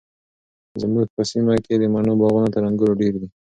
زموږ په سیمه کې د مڼو باغونه تر انګورو ډیر دي.